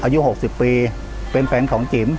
ยิ่งออก๖๐ปีเป็นแผงของจิ๋ม